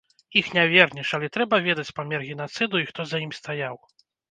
Іх не вернеш, але трэба ведаць памер генацыду і хто за ім стаяў.